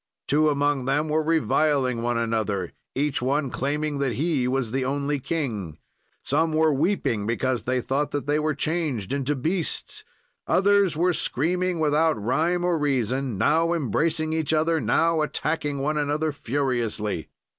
"Two among them were reviling one another, each one claiming that he was the only king. "Some were weeping because they thought that they were changed into beasts. "Others were screaming, without rime or reason, now embracing each other, now attacking one another furiously.